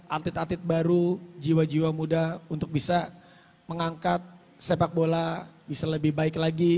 atlet atlet baru jiwa jiwa muda untuk bisa mengangkat sepak bola bisa lebih baik lagi